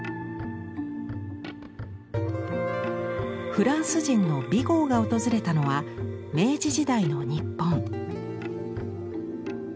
フランス人のビゴーが訪れたのは明治時代の日本。